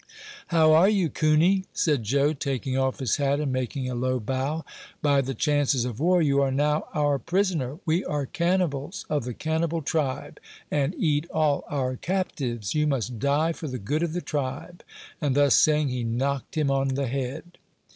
"How are you, coonie?" said Joe, taking off his hat and making a low bow; "by the chances of war you are now our prisoner; we are cannibals, of the cannibal tribe, and eat all our captives; you must die for the good of the tribe;" and thus saying he knocked him on the head.